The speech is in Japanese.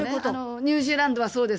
ニュージーランドはそうです。